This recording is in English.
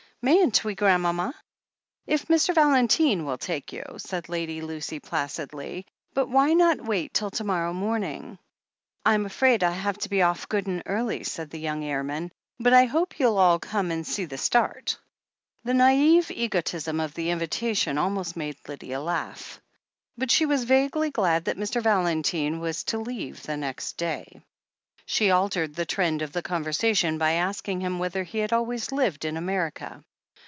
Ma3m't we, grandmama?" "If Mr. Valentine will take you," said Lady Lucy placidly. "But why not wait till to morrow morning ?" 358 THE HEEL OF ACHILLES "I'm afraid I have to be off good and early," said the young airman. "But I hope you'll all come and see the start." The naive egotism of the invitation almost made Lydia laugh. But she was vaguely glad that Mr. Valentine was to leave next day. She altered the trend of the conversation by asking him whether he had always lived in America.